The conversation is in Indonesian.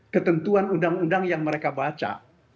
ketentuan undang undang yang mereka baca